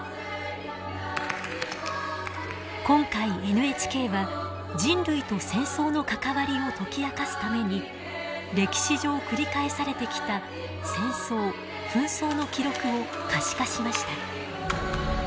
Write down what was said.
今回ＮＨＫは人類と戦争の関わりを解き明かすために歴史上繰り返されてきた戦争・紛争の記録を可視化しました。